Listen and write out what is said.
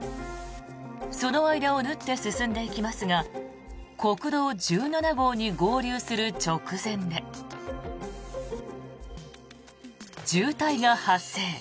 その間を縫って進んでいきますが国道１７号に合流する直前で渋滞が発生。